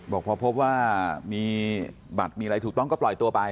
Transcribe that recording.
บอกพอพบว่ามีบัตรมีอะไรถูกต้องก็ปล่อยตัวไป